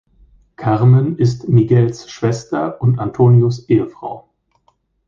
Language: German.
Carmen ist Miguels Schwester und Antonios Ehefrau.